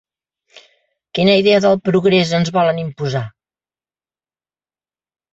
Quina idea del progrés ens volen imposar?